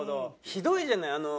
ひどいじゃないあの。